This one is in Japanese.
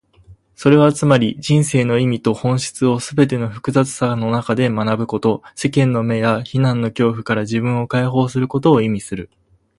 それはつまり、人生の意味と本質をすべての複雑さの中で学ぶこと、世間の目や非難の恐怖から自分を解放することを意味する。